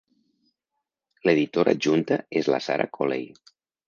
L'editora adjunta és la Sarah Coley.